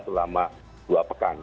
selama dua pekan